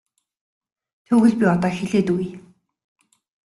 Тэгвэл би одоо хэлээд өгье.